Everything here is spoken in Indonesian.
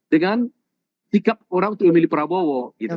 dengan sikap orang untuk memilih prabowo